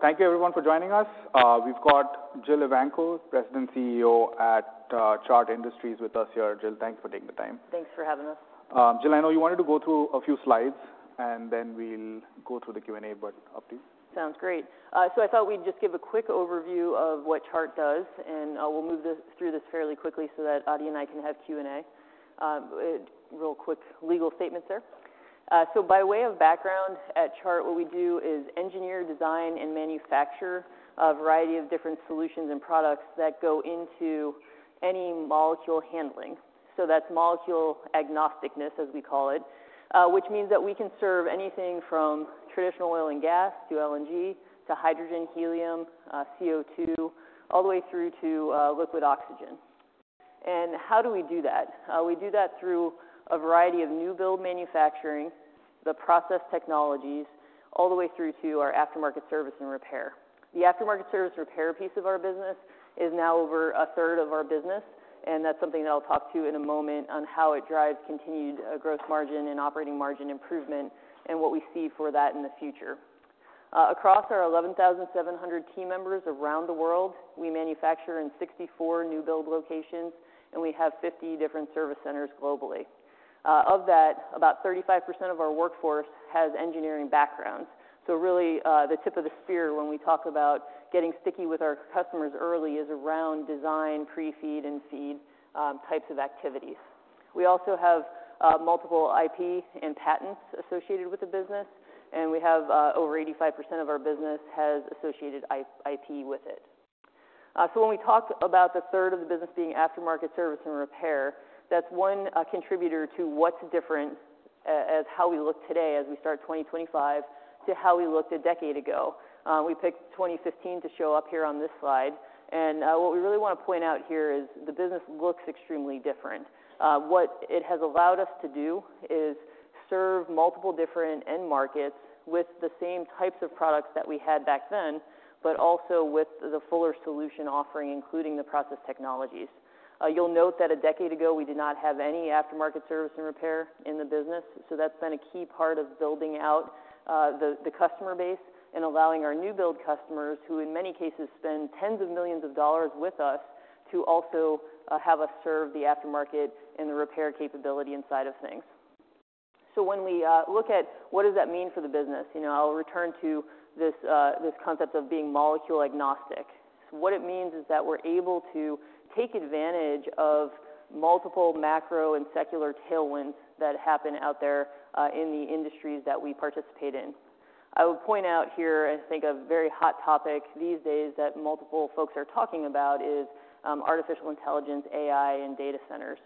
Thank you, everyone, for joining us. We've got Jill Evanko, President and CEO at Chart Industries, with us here. Jill, thank you for taking the time. Thanks for having us. Jill, I know you wanted to go through a few slides, and then we'll go through the Q&A, but up to you. Sounds great. So I thought we'd just give a quick overview of what Chart does, and we'll move through this fairly quickly so that Ati and I can have Q&A. Real quick legal statements there. So by way of background at Chart, what we do is engineer, design, and manufacture a variety of different solutions and products that go into any molecule handling. So that's molecule agnosticness, as we call it, which means that we can serve anything from traditional oil and gas to LNG to hydrogen, helium, CO2, all the way through to liquid oxygen. And how do we do that? We do that through a variety of new build manufacturing, the process technologies, all the way through to our aftermarket service and repair. The aftermarket service repair piece of our business is now over a third of our business, and that's something that I'll talk to you in a moment on how it drives continued gross margin and operating margin improvement and what we see for that in the future. Across our 11,700 team members around the world, we manufacture in 64 new build locations, and we have 50 different service centers globally. Of that, about 35% of our workforce has engineering backgrounds. So really, the tip of the spear when we talk about getting sticky with our customers early is around design, Pre-FEED, and FEED types of activities. We also have multiple IP and patents associated with the business, and we have over 85% of our business has associated IP with it. So when we talk about the third of the business being aftermarket service and repair, that's one contributor to what's different as how we look today as we start 2025 to how we looked a decade ago. We picked 2015 to show up here on this slide, and what we really want to point out here is the business looks extremely different. What it has allowed us to do is serve multiple different end markets with the same types of products that we had back then, but also with the fuller solution offering, including the process technologies. You'll note that a decade ago, we did not have any aftermarket service and repair in the business, so that's been a key part of building out the customer base and allowing our new build customers, who in many cases spend tens of millions of dollars with us, to also have us serve the aftermarket and the repair capability inside of things. So when we look at what does that mean for the business, I'll return to this concept of being molecule agnostic. What it means is that we're able to take advantage of multiple macro and secular tailwinds that happen out there in the industries that we participate in. I would point out here, I think, a very hot topic these days that multiple folks are talking about is artificial intelligence, AI, and data centers.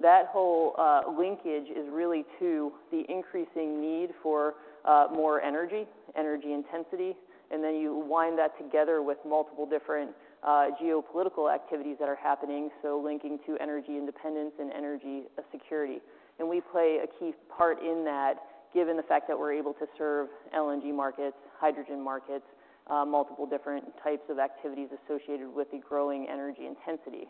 That whole linkage is really to the increasing need for more energy, energy intensity, and then you wind that together with multiple different geopolitical activities that are happening, so linking to energy independence and energy security. And we play a key part in that, given the fact that we're able to serve LNG markets, hydrogen markets, multiple different types of activities associated with the growing energy intensity.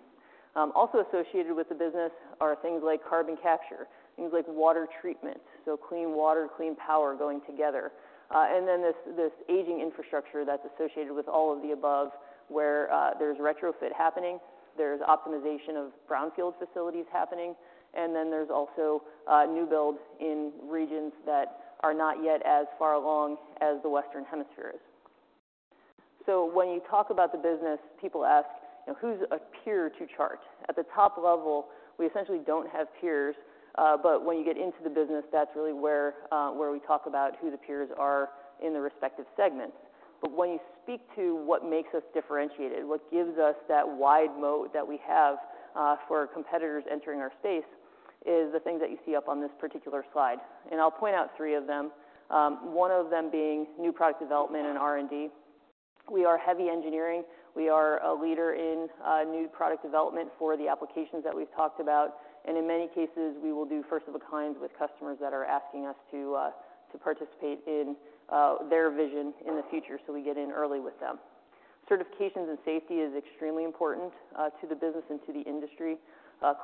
Also associated with the business are things like carbon capture, things like water treatment, so clean water, clean power going together, and then this aging infrastructure that's associated with all of the above, where there's retrofit happening, there's optimization of brownfield facilities happening, and then there's also new build in regions that are not yet as far along as the Western Hemisphere is. So when you talk about the business, people ask, who's a peer to Chart? At the top level, we essentially don't have peers, but when you get into the business, that's really where we talk about who the peers are in the respective segments. But when you speak to what makes us differentiated, what gives us that wide moat that we have for competitors entering our space, is the things that you see up on this particular slide. And I'll point out three of them, one of them being new product development and R&D. We are heavy engineering. We are a leader in new product development for the applications that we've talked about, and in many cases, we will do first of a kind with customers that are asking us to participate in their vision in the future, so we get in early with them. Certifications and safety is extremely important to the business and to the industry.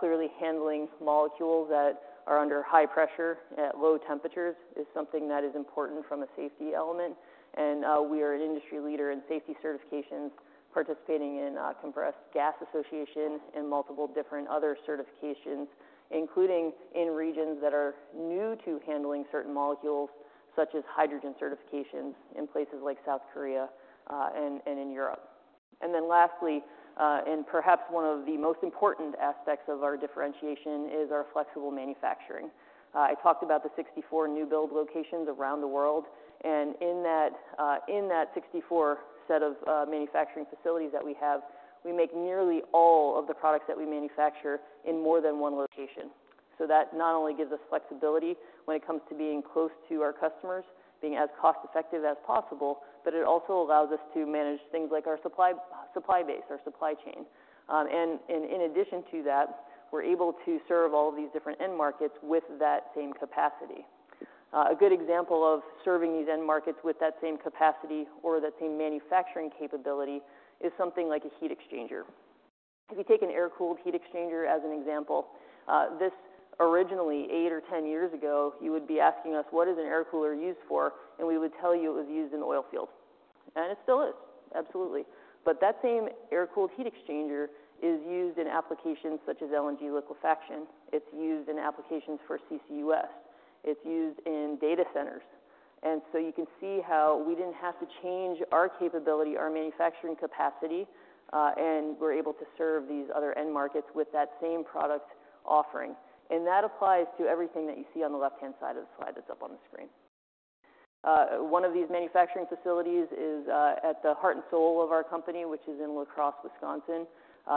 Clearly, handling molecules that are under high pressure at low temperatures is something that is important from a safety element, and we are an industry leader in safety certifications, participating in Compressed Gas Association and multiple different other certifications, including in regions that are new to handling certain molecules, such as hydrogen certifications in places like South Korea and in Europe. And then lastly, and perhaps one of the most important aspects of our differentiation is our flexible manufacturing. I talked about the 64 new build locations around the world, and in that 64 set of manufacturing facilities that we have, we make nearly all of the products that we manufacture in more than one location. So that not only gives us flexibility when it comes to being close to our customers, being as cost-effective as possible, but it also allows us to manage things like our supply base, our supply chain. And in addition to that, we're able to serve all of these different end markets with that same capacity. A good example of serving these end markets with that same capacity or that same manufacturing capability is something like a heat exchanger. If you take an air-cooled heat exchanger as an example, this originally, eight or 10 years ago, you would be asking us, what is an air cooler used for? And we would tell you it was used in oil fields, and it still is, absolutely. But that same air-cooled heat exchanger is used in applications such as LNG liquefaction. It's used in applications for CCUS. It's used in data centers. And so you can see how we didn't have to change our capability, our manufacturing capacity, and we're able to serve these other end markets with that same product offering. And that applies to everything that you see on the left-hand side of the slide that's up on the screen. One of these manufacturing facilities is at the heart and soul of our company, which is in La Crosse, Wisconsin.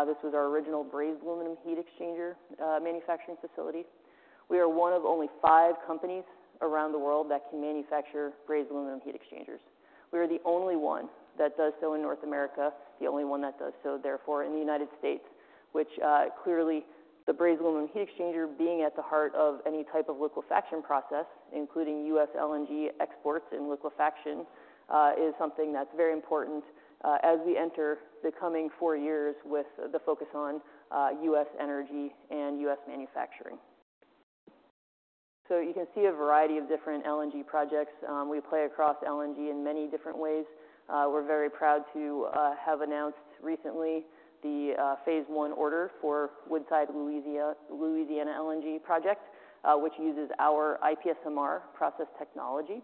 This was our original brazed aluminum heat exchanger manufacturing facility. We are one of only five companies around the world that can manufacture brazed aluminum heat exchangers. We are the only one that does so in North America, the only one that does so therefore in the United States, which clearly the brazed aluminum heat exchanger being at the heart of any type of liquefaction process, including U.S. LNG exports and liquefaction, is something that's very important as we enter the coming four years with the focus on U.S. energy and U.S. manufacturing. So you can see a variety of different LNG projects. We play across LNG in many different ways. We're very proud to have announced recently the phase one order for Woodside, Louisiana LNG project, which uses our IPSMR process technology,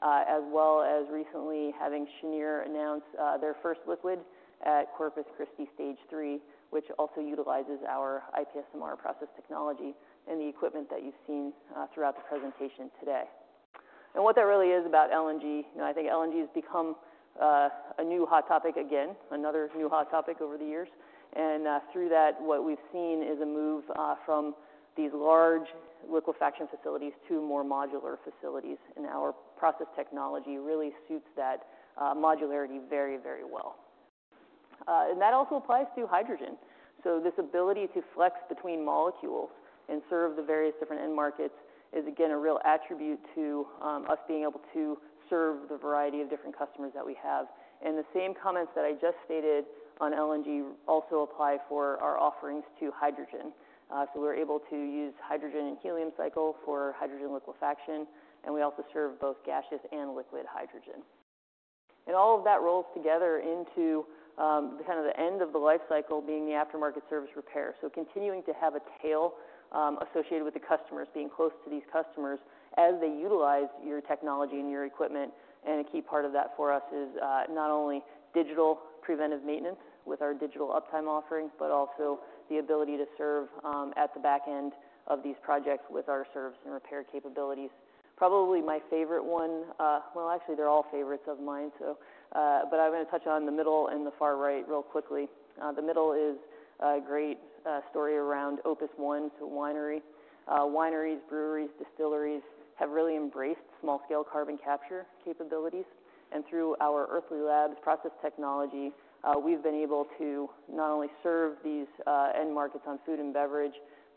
as well as recently having Cheniere announce their first liquefaction at Corpus Christi Stage 3, which also utilizes our IPSMR process technology and the equipment that you've seen throughout the presentation today. And what that really is about LNG. I think LNG has become a new hot topic again, another new hot topic over the years. And through that, what we've seen is a move from these large liquefaction facilities to more modular facilities, and our process technology really suits that modularity very, very well. And that also applies to hydrogen. So this ability to flex between molecules and serve the various different end markets is, again, a real attribute to us being able to serve the variety of different customers that we have. And the same comments that I just stated on LNG also apply for our offerings to hydrogen. So we're able to use hydrogen and helium cycle for hydrogen liquefaction, and we also serve both gaseous and liquid hydrogen. And all of that rolls together into kind of the end of the life cycle being the aftermarket service and repair. So continuing to have a tail associated with the customers, being close to these customers as they utilize your technology and your equipment. And a key part of that for us is not only digital preventive maintenance with our Digital Uptime offering, but also the ability to serve at the back end of these projects with our service and repair capabilities. Probably my favorite one, well, actually, they're all favorites of mine, but I'm going to touch on the middle and the far right real quickly. The middle is a great story around Opus One, so wineries. Wineries, breweries, distilleries have really embraced small-scale carbon capture capabilities, and through our Earthly Labs process technology, we've been able to not only serve these end markets in food and beverage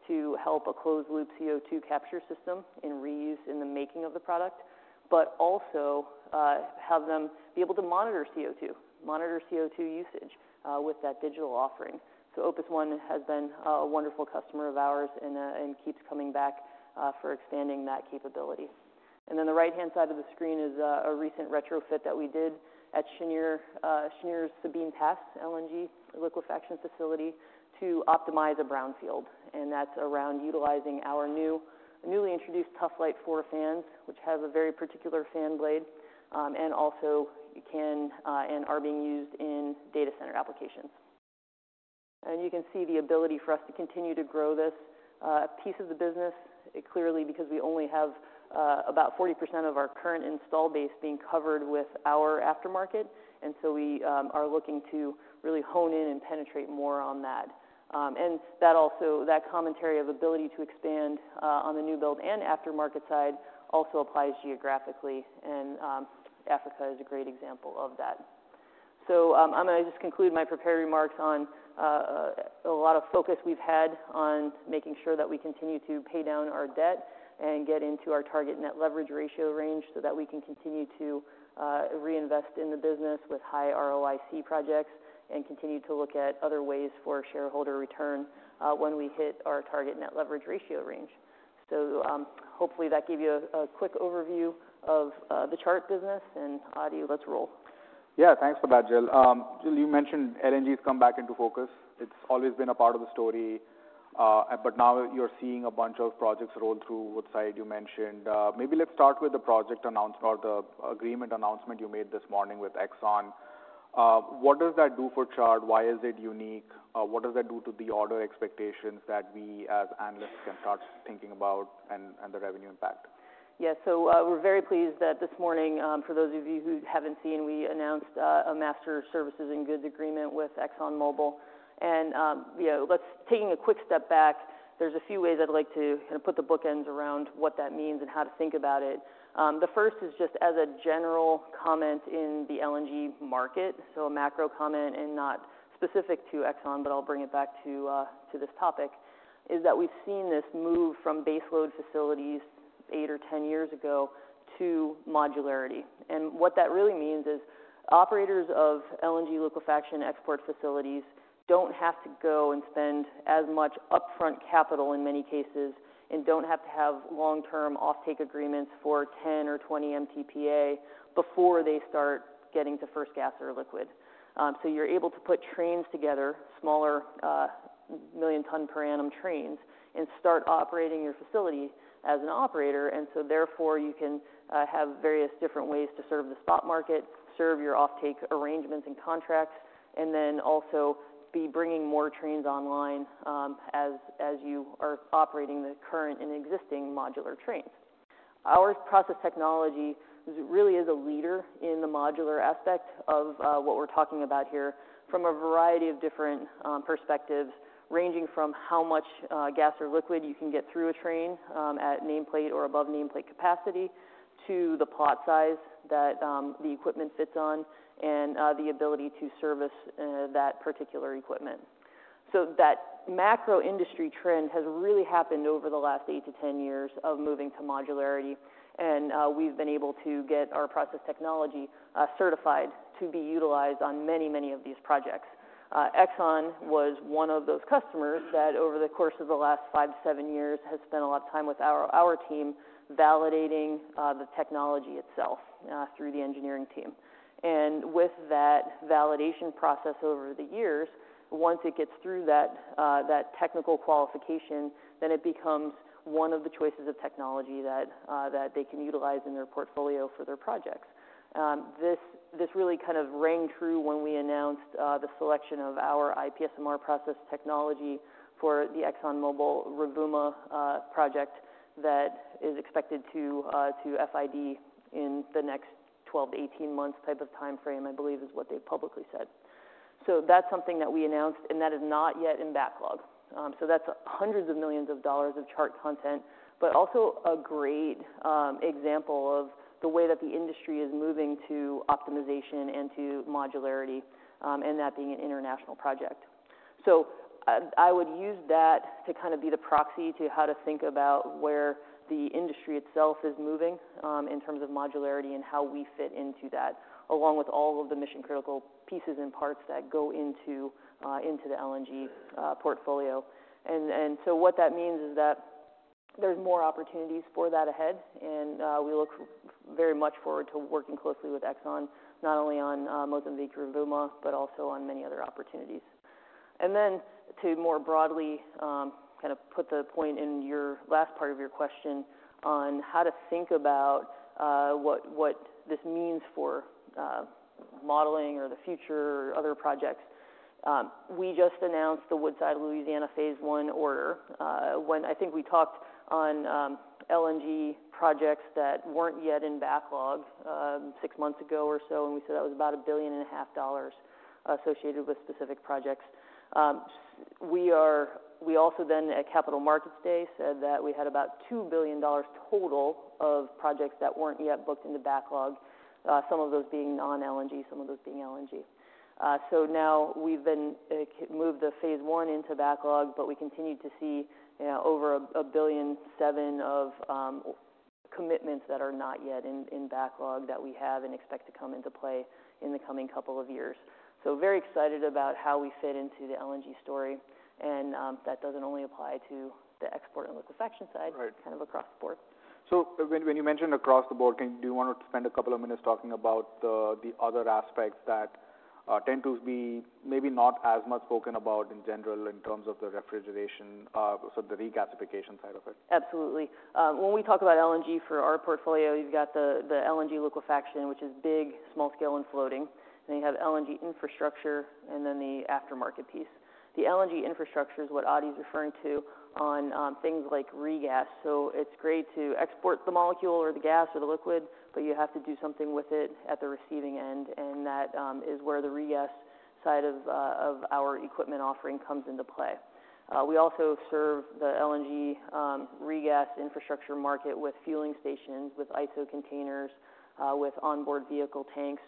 to help a closed-loop CO2 capture system and reuse in the making of the product, but also have them be able to monitor CO2, monitor CO2 usage with that digital offering, so Opus One has been a wonderful customer of ours and keeps coming back for expanding that capability, and then the right-hand side of the screen is a recent retrofit that we did at Cheniere's Sabine Pass LNG liquefaction facility to optimize a brownfield, and that's around utilizing our newly introduced Tuf-Lite IV fans, which has a very particular fan blade, and also can and are being used in data center applications. You can see the ability for us to continue to grow this piece of the business, clearly because we only have about 40% of our current install base being covered with our aftermarket, and so we are looking to really hone in and penetrate more on that. That commentary of ability to expand on the new build and aftermarket side also applies geographically, and Africa is a great example of that. I'm going to just conclude my prepared remarks on a lot of focus we've had on making sure that we continue to pay down our debt and get into our target net leverage ratio range so that we can continue to reinvest in the business with high ROIC projects and continue to look at other ways for shareholder return when we hit our target net leverage ratio range. So hopefully that gave you a quick overview of the Chart business, and Ati, let's roll. Yeah, thanks for that, Jill. Jill, you mentioned LNG has come back into focus. It's always been a part of the story, but now you're seeing a bunch of projects roll through Woodside. You mentioned maybe let's start with the project announcement or the agreement announcement you made this morning with ExxonMobil. What does that do for Chart? Why is it unique? What does that do to the order expectations that we as analysts can start thinking about and the revenue impact? Yeah, so we're very pleased that this morning, for those of you who haven't seen, we announced a master services and goods agreement with ExxonMobil. Taking a quick step back, there's a few ways I'd like to kind of put the bookends around what that means and how to think about it. The first is just as a general comment in the LNG market, so a macro comment and not specific to Exxon, but I'll bring it back to this topic, is that we've seen this move from base load facilities eight or 10 years ago to modularity. What that really means is operators of LNG liquefaction export facilities don't have to go and spend as much upfront capital in many cases and don't have to have long-term offtake agreements for 10 or 20 MTPA before they start getting to first gas or liquid. So you're able to put trains together, smaller million-ton per annum trains, and start operating your facility as an operator, and so therefore you can have various different ways to serve the spot market, serve your offtake arrangements and contracts, and then also be bringing more trains online as you are operating the current and existing modular trains. Our process technology really is a leader in the modular aspect of what we're talking about here from a variety of different perspectives, ranging from how much gas or liquid you can get through a train at nameplate or above nameplate capacity to the plot size that the equipment fits on and the ability to service that particular equipment. That macro industry trend has really happened over the last eight to 10 years of moving to modularity, and we've been able to get our process technology certified to be utilized on many, many of these projects. Exxon was one of those customers that over the course of the last five to seven years has spent a lot of time with our team validating the technology itself through the engineering team. With that validation process over the years, once it gets through that technical qualification, then it becomes one of the choices of technology that they can utilize in their portfolio for their projects. This really kind of rang true when we announced the selection of our IPSMR process technology for the ExxonMobil Rovuma project that is expected to FID in the next 12-18 months type of time frame, I believe is what they publicly said. So that's something that we announced, and that is not yet in backlog. So that's hundreds of millions of dollars of Chart content, but also a great example of the way that the industry is moving to optimization and to modularity and that being an international project. So I would use that to kind of be the proxy to how to think about where the industry itself is moving in terms of modularity and how we fit into that, along with all of the mission-critical pieces and parts that go into the LNG portfolio. And so what that means is that there's more opportunities for that ahead, and we look very much forward to working closely with Exxon, not only on Mozambique Rovuma, but also on many other opportunities. And then, to more broadly kind of put the point in your last part of your question on how to think about what this means for modeling or the future or other projects, we just announced the Woodside Louisiana phase one order. When I think we talked on LNG projects that weren't yet in backlog six months ago or so, and we said that was about $1.5 billion associated with specific projects. We also then at Capital Markets Day said that we had about $2 billion total of projects that weren't yet booked into backlog, some of those being non-LNG, some of those being LNG. So now we've been moved the phase one into backlog, but we continue to see over $1.7 billion of commitments that are not yet in backlog that we have and expect to come into play in the coming couple of years. So very excited about how we fit into the LNG story, and that doesn't only apply to the export and liquefaction side, kind of across the board. So when you mentioned across the board, do you want to spend a couple of minutes talking about the other aspects that tend to be maybe not as much spoken about in general in terms of the refrigeration, so the regasification side of it? Absolutely. When we talk about LNG for our portfolio, you've got the LNG liquefaction, which is big, small scale, and floating, and then you have LNG infrastructure and then the aftermarket piece. The LNG infrastructure is what Ati's referring to on things like regas, so it's great to export the molecule or the gas or the liquid, but you have to do something with it at the receiving end, and that is where the regas side of our equipment offering comes into play. We also serve the LNG regas infrastructure market with fueling stations, with ISO containers, with onboard vehicle tanks,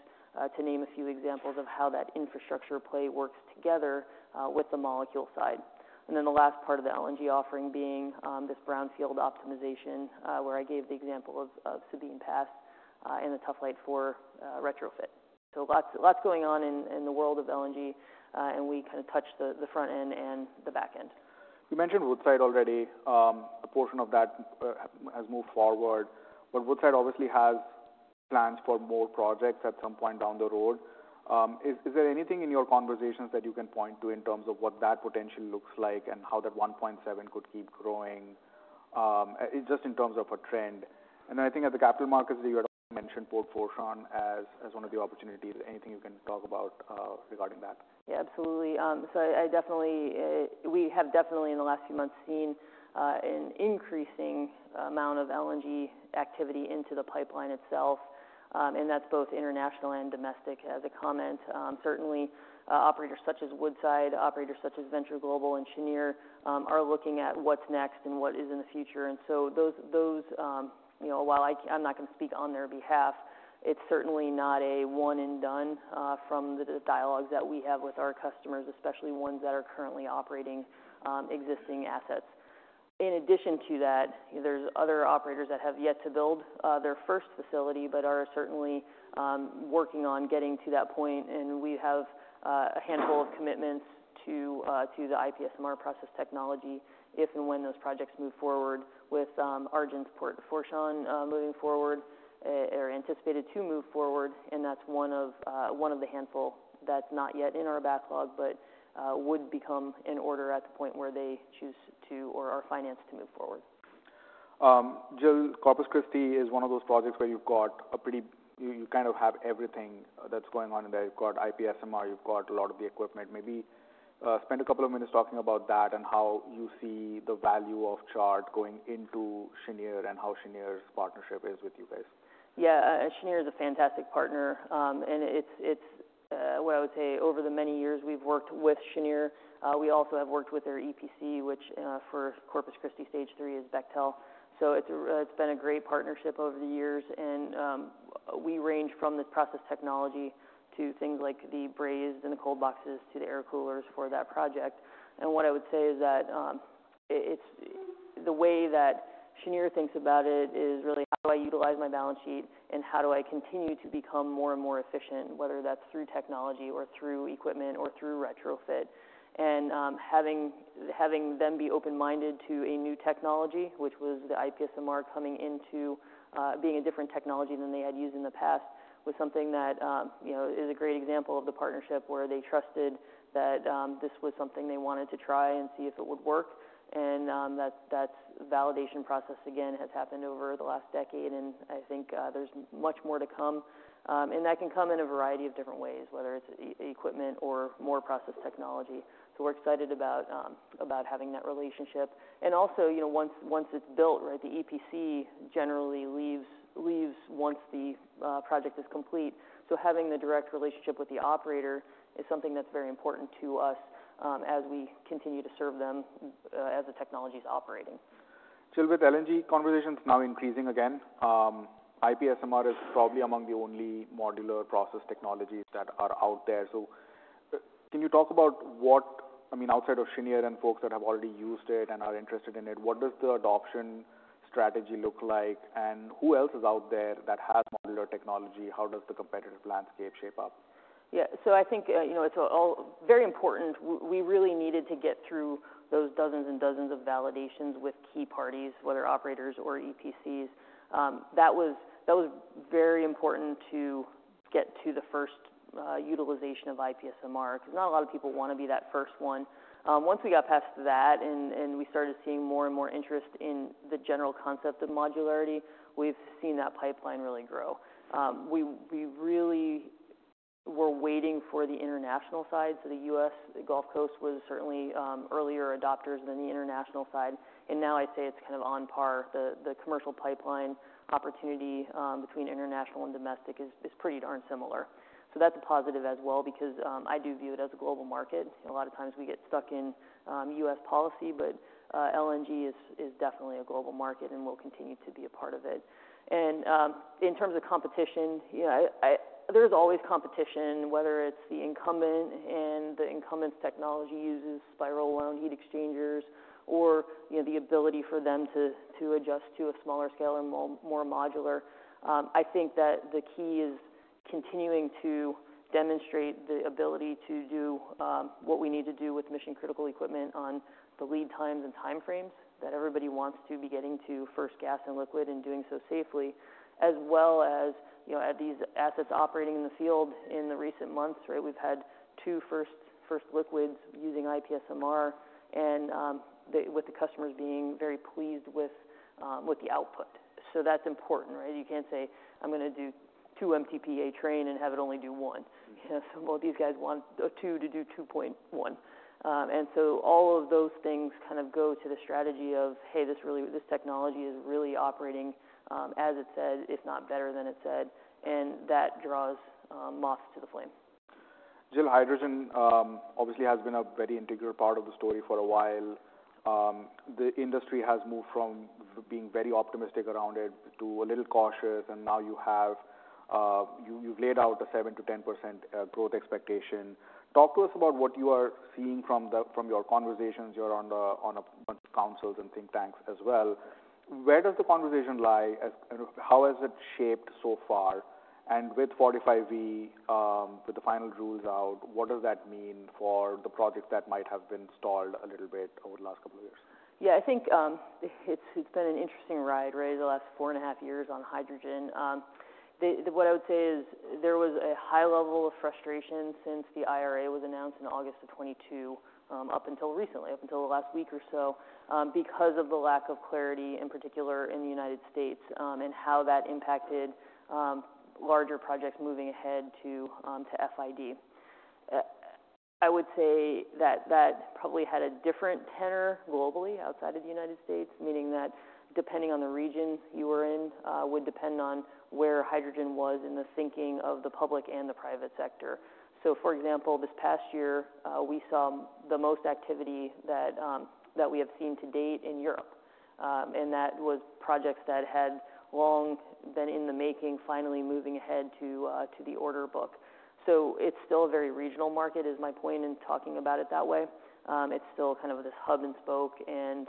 to name a few examples of how that infrastructure play works together with the molecule side, and then the last part of the LNG offering being this brownfield optimization where I gave the example of Sabine Pass and the Tuf-Lite IV retrofit, so lots going on in the world of LNG, and we kind of touch the front end and the back end. You mentioned Woodside already. A portion of that has moved forward, but Woodside obviously has plans for more projects at some point down the road. Is there anything in your conversations that you can point to in terms of what that potential looks like and how that 1.7 could keep growing just in terms of a trend? And then I think at the capital markets, you had mentioned Port Fourchon as one of the opportunities. Anything you can talk about regarding that? Yeah, absolutely. So we have definitely in the last few months seen an increasing amount of LNG activity into the pipeline itself, and that's both international and domestic. As a comment, certainly operators such as Woodside, operators such as Venture Global and Cheniere are looking at what's next and what is in the future. And so those, while I'm not going to speak on their behalf, it's certainly not a one and done from the dialogues that we have with our customers, especially ones that are currently operating existing assets. In addition to that, there's other operators that have yet to build their first facility but are certainly working on getting to that point, and we have a handful of commitments to the IPSMR process technology if and when those projects move forward with Argent Port Fourchon moving forward or anticipated to move forward, and that's one of the handful that's not yet in our backlog but would become in order at the point where they choose to or are financed to move forward. Jill, Corpus Christi is one of those projects where you've got a pretty—you kind of have everything that's going on in there. You've got IPSMR. You've got a lot of the equipment. Maybe spend a couple of minutes talking about that and how you see the value of Chart going into Cheniere and how Cheniere's partnership is with you guys. Yeah, Cheniere is a fantastic partner, and it's what I would say over the many years we've worked with Cheniere. We also have worked with their EPC, which for Corpus Christi stage three is Bechtel. So it's been a great partnership over the years, and we range from the process technology to things like the brazed and the cold boxes to the air coolers for that project. What I would say is that the way that Cheniere thinks about it is really how do I utilize my balance sheet and how do I continue to become more and more efficient, whether that's through technology or through equipment or through retrofit. And having them be open-minded to a new technology, which was the IPSMR coming into being a different technology than they had used in the past, was something that is a great example of the partnership where they trusted that this was something they wanted to try and see if it would work. And that validation process, again, has happened over the last decade, and I think there's much more to come, and that can come in a variety of different ways, whether it's equipment or more process technology. So we're excited about having that relationship. And also, once it's built, right, the EPC generally leaves once the project is complete. So having the direct relationship with the operator is something that's very important to us as we continue to serve them as the technology is operating. Jill, with LNG conversations now increasing again, IPSMR is probably among the only modular process technologies that are out there. So can you talk about what, I mean, outside of Cheniere and folks that have already used it and are interested in it, what does the adoption strategy look like, and who else is out there that has modular technology? How does the competitive landscape shape up? Yeah, so I think it's all very important. We really needed to get through those dozens and dozens of validations with key parties, whether operators or EPCs. That was very important to get to the first utilization of IPSMR because not a lot of people want to be that first one. Once we got past that and we started seeing more and more interest in the general concept of modularity, we've seen that pipeline really grow. We really were waiting for the international side. So the U.S., the Gulf Coast was certainly earlier adopters than the international side, and now I'd say it's kind of on par. The commercial pipeline opportunity between international and domestic is pretty darn similar. So that's a positive as well because I do view it as a global market. A lot of times we get stuck in U.S. policy, but LNG is definitely a global market and will continue to be a part of it. And in terms of competition, there's always competition, whether it's the incumbent and the incumbent's technology uses spiral wound heat exchangers or the ability for them to adjust to a smaller scale or more modular. I think that the key is continuing to demonstrate the ability to do what we need to do with mission-critical equipment on the lead times and time frames that everybody wants to be getting to first gas and liquid and doing so safely, as well as at these assets operating in the field in the recent months, right? We've had two first liquids using IPSMR, and with the customers being very pleased with the output. So that's important, right? You can't say, "I'm going to do two MTPA train and have it only do one." Well, these guys want two to do 2.1. And so all of those things kind of go to the strategy of, "Hey, this technology is really operating, as it said, if not better than it said," and that draws moths to the flame. Jill, hydrogen obviously has been a very integral part of the story for a while. The industry has moved from being very optimistic around it to a little cautious, and now you've laid out a 7%-10% growth expectation. Talk to us about what you are seeing from your conversations. You're on a bunch of councils and think tanks as well. Where does the conversation lie? How has it shaped so far? And with 45V, with the final rules out, what does that mean for the projects that might have been stalled a little bit over the last couple of years? Yeah, I think it's been an interesting ride, right, the last four and a half years on hydrogen. What I would say is there was a high level of frustration since the IRA was announced in August of 2022 up until recently, up until the last week or so because of the lack of clarity in particular in the United States and how that impacted larger projects moving ahead to FID. I would say that that probably had a different tenor globally outside of the United States, meaning that depending on the region you were in would depend on where hydrogen was in the thinking of the public and the private sector. So, for example, this past year, we saw the most activity that we have seen to date in Europe, and that was projects that had long been in the making finally moving ahead to the order book. So it's still a very regional market, is my point in talking about it that way. It's still kind of this hub and spoke and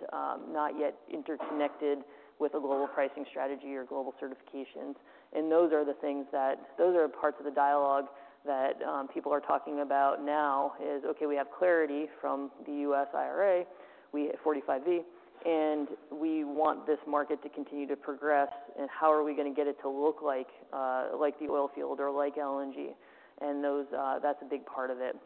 not yet interconnected with a global pricing strategy or global certifications. And those are the things that are parts of the dialogue that people are talking about now is, "Okay, we have clarity from the U.S. IRA, we have 45V, and we want this market to continue to progress, and how are we going to get it to look like the oil field or like LNG?" And that's a big part of it.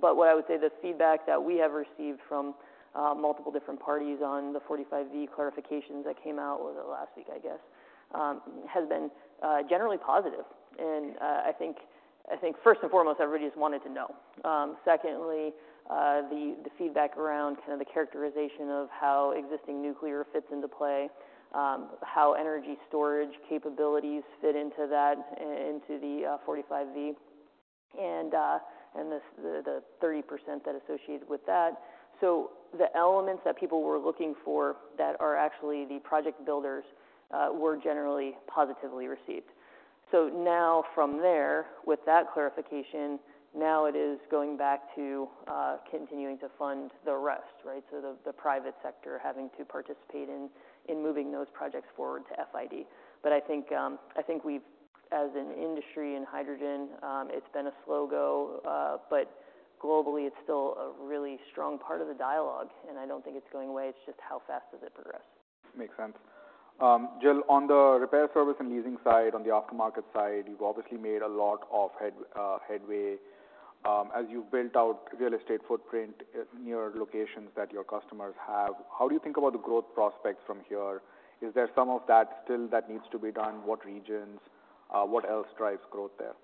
But what I would say, the feedback that we have received from multiple different parties on the 45V clarifications that came out (was it last week, I guess) has been generally positive. And I think, first and foremost, everybody just wanted to know. Secondly, the feedback around kind of the characterization of how existing nuclear fits into play, how energy storage capabilities fit into that, into the 45V, and the 30% that associated with that. So the elements that people were looking for that are actually the project builders were generally positively received. So now from there, with that clarification, now it is going back to continuing to fund the rest, right? So the private sector having to participate in moving those projects forward to FID. But I think we've, as an industry in hydrogen, it's been a slow go, but globally it's still a really strong part of the dialogue, and I don't think it's going away. It's just how fast does it progress? Makes sense. Jill, on the repair service and leasing side, on the aftermarket side, you've obviously made a lot of headway as you've built out real estate footprint near locations that your customers have. How do you think about the growth prospects from here? Is there some of that still that needs to be done? What regions? What else drives growth there?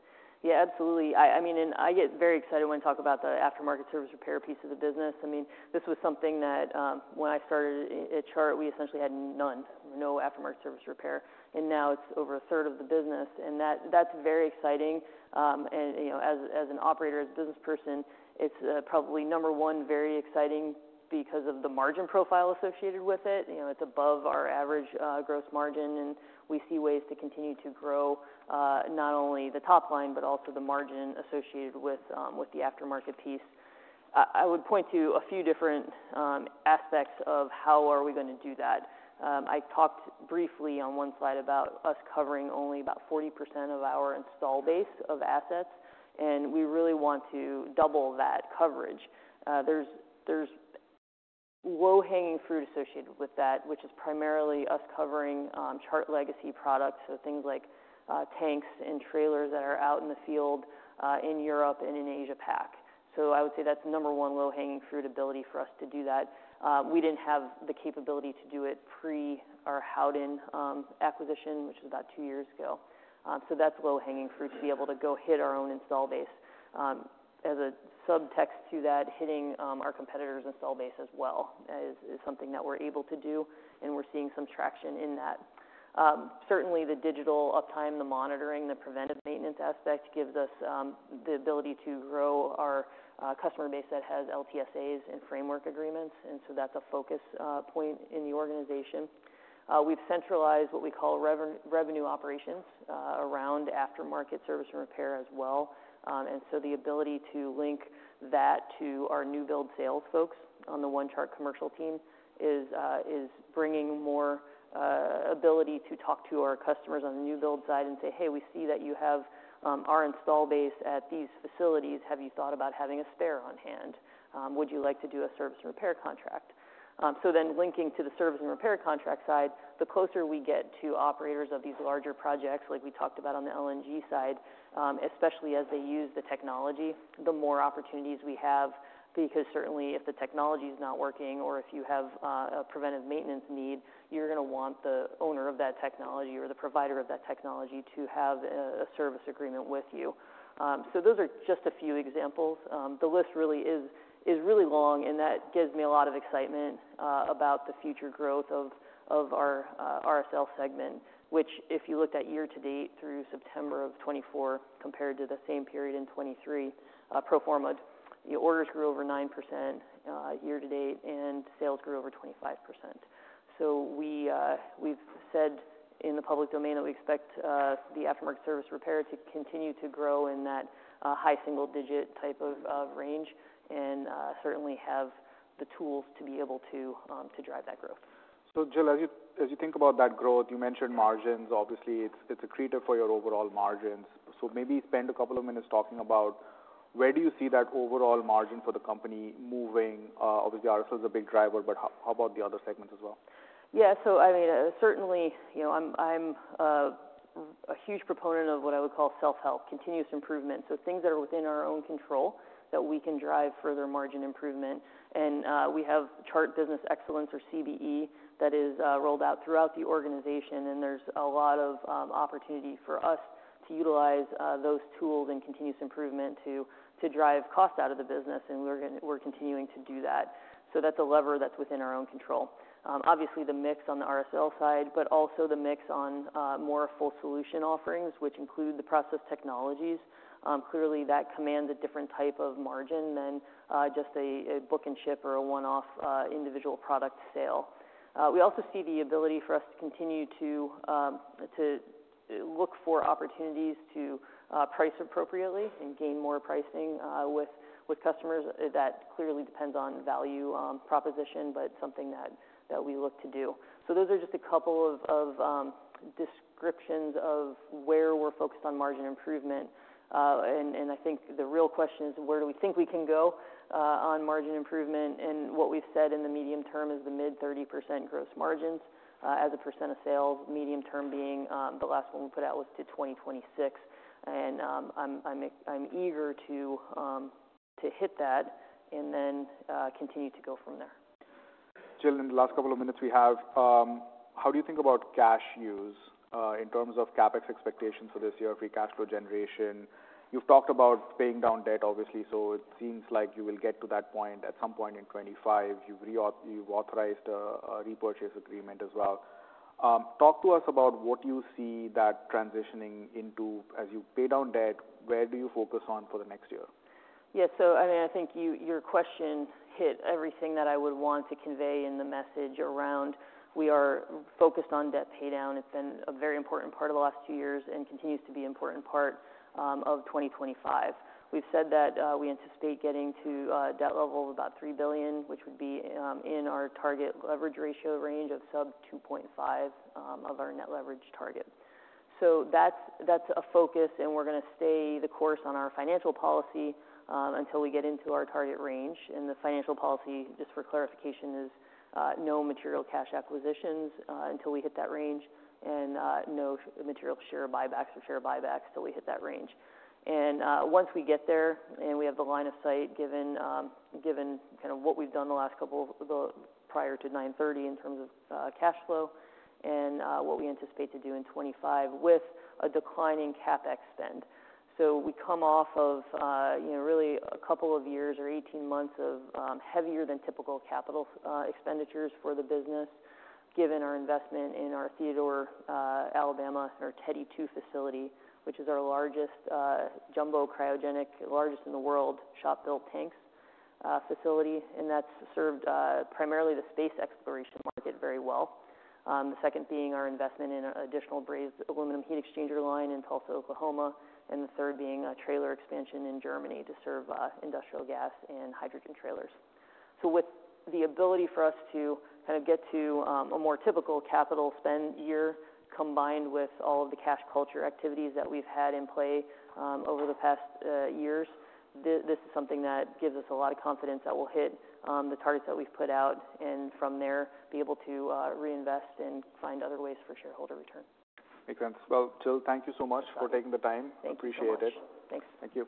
Yeah, absolutely. I mean, and I get very excited when I talk about the aftermarket service repair piece of the business. I mean, this was something that when I started at Chart, we essentially had none, no aftermarket service repair, and now it's over a third of the business, and that's very exciting. And as an operator, as a business person, it's probably number one very exciting because of the margin profile associated with it. It's above our average gross margin, and we see ways to continue to grow not only the top line but also the margin associated with the aftermarket piece. I would point to a few different aspects of how are we going to do that. I talked briefly on one slide about us covering only about 40% of our install base of assets, and we really want to double that coverage. There's low-hanging fruit associated with that, which is primarily us covering Chart legacy products, so things like tanks and trailers that are out in the field in Europe and in Asia-Pac. So I would say that's number one low-hanging fruit ability for us to do that. We didn't have the capability to do it pre our Howden acquisition, which was about two years ago. So that's low-hanging fruit to be able to go hit our own install base. As a subtext to that, hitting our competitor's installed base as well is something that we're able to do, and we're seeing some traction in that. Certainly, the Digital Uptime, the monitoring, the preventive maintenance aspect gives us the ability to grow our customer base that has LTSAs and framework agreements, and so that's a focus point in the organization. We've centralized what we call revenue operations around aftermarket service and repair as well. And so the ability to link that to our new build sales folks on the One Chart commercial team is bringing more ability to talk to our customers on the new build side and say, "Hey, we see that you have our installed base at these facilities. Have you thought about having a spare on hand? Would you like to do a service and repair contract?" So then linking to the service and repair contract side, the closer we get to operators of these larger projects like we talked about on the LNG side, especially as they use the technology, the more opportunities we have because certainly if the technology is not working or if you have a preventive maintenance need, you're going to want the owner of that technology or the provider of that technology to have a service agreement with you. So those are just a few examples. The list really is really long, and that gives me a lot of excitement about the future growth of our RSL segment, which if you looked at year to date through September of 2024 compared to the same period in 2023, pro forma, the orders grew over 9% year to date and sales grew over 25%. So we've said in the public domain that we expect the aftermarket service repair to continue to grow in that high single-digit type of range and certainly have the tools to be able to drive that growth. So Jill, as you think about that growth, you mentioned margins. Obviously, it's a driver for your overall margins. So maybe spend a couple of minutes talking about where do you see that overall margin for the company moving? Obviously, RSL is a big driver, but how about the other segments as well? Yeah, so I mean, certainly I'm a huge proponent of what I would call self-help, continuous improvement. So things that are within our own control that we can drive further margin improvement. We have Chart Business Excellence or CBE that is rolled out throughout the organization, and there's a lot of opportunity for us to utilize those tools and continuous improvement to drive cost out of the business, and we're continuing to do that. That's a lever that's within our own control. Obviously, the mix on the RSL side, but also the mix on more full solution offerings, which include the process technologies. Clearly, that commands a different type of margin than just a book and ship or a one-off individual product sale. We also see the ability for us to continue to look for opportunities to price appropriately and gain more pricing with customers. That clearly depends on value proposition, but something that we look to do. Those are just a couple of descriptions of where we're focused on margin improvement. And I think the real question is, where do we think we can go on margin improvement? And what we've said in the medium term is the mid-30% gross margins as a percent of sales, medium term being the last one we put out was to 2026. And I'm eager to hit that and then continue to go from there. Jill, in the last couple of minutes we have, how do you think about cash use in terms of CapEx expectations for this year, free cash flow generation? You've talked about paying down debt, obviously, so it seems like you will get to that point at some point in 2025. You've authorized a repurchase agreement as well. Talk to us about what you see that transitioning into as you pay down debt. Where do you focus on for the next year? Yeah, so I mean, I think your question hit everything that I would want to convey in the message around we are focused on debt paydown. It's been a very important part of the last two years and continues to be an important part of 2025. We've said that we anticipate getting to a debt level of about $3 billion, which would be in our target leverage ratio range of sub 2.5 of our net leverage target. So that's a focus, and we're going to stay the course on our financial policy until we get into our target range, and the financial policy, just for clarification, is no material cash acquisitions until we hit that range and no material share buybacks till we hit that range. Once we get there and we have the line of sight given kind of what we've done the last couple of prior to 930 in terms of cash flow and what we anticipate to do in 2025 with a declining CapEx spend. We come off of really a couple of years or 18 months of heavier than typical capital expenditures for the business given our investment in our Theodore, Alabama, or Teddy 2 facility, which is our largest jumbo cryogenic, largest in the world shop-built tanks facility, and that's served primarily the space exploration market very well. The second being our investment in an additional brazed aluminum heat exchanger line in Tulsa, Oklahoma, and the third being a trailer expansion in Germany to serve industrial gas and hydrogen trailers. So with the ability for us to kind of get to a more typical capital spend year combined with all of the cash generative activities that we've had in play over the past years, this is something that gives us a lot of confidence that we'll hit the targets that we've put out and from there be able to reinvest and find other ways for shareholder return. Makes sense. Well, Jill, thank you so much for taking the time. I appreciate it. Thanks. Thank you.